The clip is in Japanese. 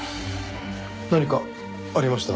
何かありました？